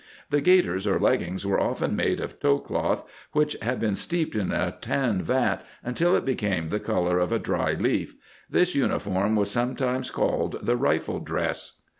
The gaiters or leggings were often made of tow cloth which had been steeped in a tan vat until it be came the color of a dry leaf This uniform was sometimes called the rifle dress."